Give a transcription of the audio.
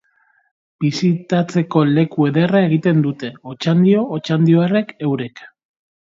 Bisitatzeko leku ederra egiten dute Otxandio otxandiarrek eurek.